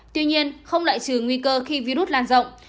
tuy nhiên không loại trừ nguy cơ khi virus lan rộng